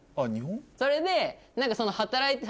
それで。